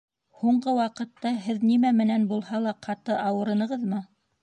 Һуңғы ваҡытта һеҙ нимә менән булһа ла ҡаты ауырынығыҙмы?